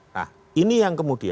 nah ini yang kemudian